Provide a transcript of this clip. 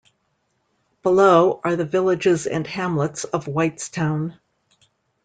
Below are the villages and hamlets of Whitestown.